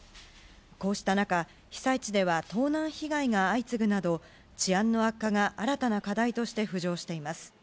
こうした中、被災地では盗難被害が相次ぐなど、治安の悪化が新たな課題として浮上しています。